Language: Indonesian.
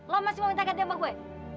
lo masih mau minta kandungan gue